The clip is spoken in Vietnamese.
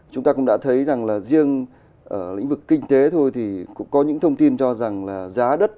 chúng ta cũng đã thấy rằng là riêng lĩnh vực kinh tế thôi thì cũng có những thông tin cho rằng là giá đất